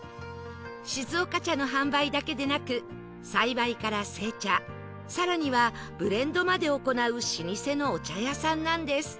静岡茶の販売だけでなく栽培から製茶更にはブレンドまで行う老舗のお茶屋さんなんです